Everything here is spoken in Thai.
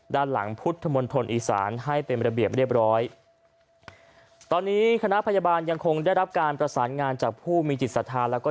ด้านหลังพุทธมณฑลอีสานให้เป็นระเบียบเรียบร้อยตอนนี้คณะพยาบาลยังคงได้รับการประสานงานจากผู้มีจิตศรัทธาแล้วก็